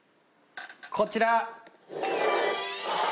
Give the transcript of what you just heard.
こちら。